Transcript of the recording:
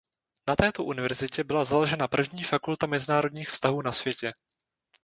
Na této univerzitě byla založena první fakulta mezinárodních vztahů na světě.